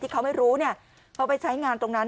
ที่เขาไม่รู้เนี่ยเขาไปใช้งานตรงนั้น